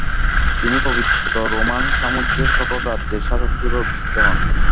তিনি পবিত্র রোমান সাম্রাজ্যের সকল রাজ্যের শাসক হিসেবে অধিষ্ঠিত হন।